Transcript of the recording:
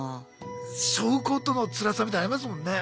背負うことのつらさみたいのありますもんね